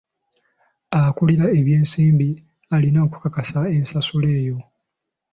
Akulira ebyensimbi alina okukakasa ensasula eyo.